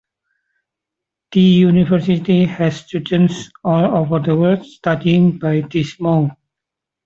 The University has students all over the world studying by this mode.